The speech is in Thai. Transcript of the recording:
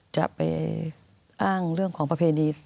จะไปอ้างเรื่องของประเพณี